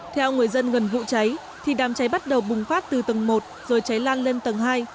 theo người dân gần vụ cháy thì đám cháy bắt đầu bùng phát từ tầng một rồi cháy lan lên tầng hai